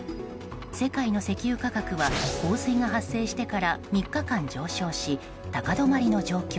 世界の石油価格は洪水が発生してから３日間上昇し高止まりの状況。